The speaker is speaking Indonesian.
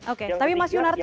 oke tapi mas yunarto